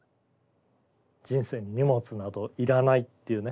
人生に荷物など要らないっていうね